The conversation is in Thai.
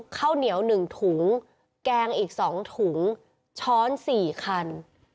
ข้าวเหนียวหนึ่งถุงแกงอีกสองถุงช้อนสี่คัน